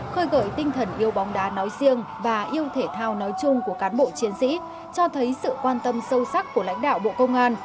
khơi gợi tinh thần yêu bóng đá nói riêng và yêu thể thao nói chung của cán bộ chiến sĩ cho thấy sự quan tâm sâu sắc của lãnh đạo bộ công an